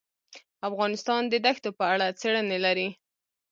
افغانستان د دښتو په اړه څېړنې لري.